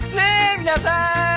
皆さーん！